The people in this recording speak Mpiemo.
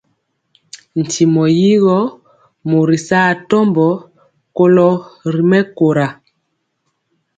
Ntimɔ yi gɔ mori saa atɔmbɔ kolo ri mɛkóra.